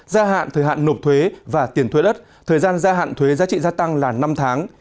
gia hạn thời hạn nộp thuế và tiền thuế đất thời gian gia hạn thuế giá trị gia tăng là năm tháng